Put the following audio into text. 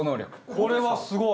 これはすごい！